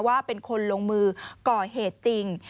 ว่าเป็นคนลงมือก่อเหตุจริง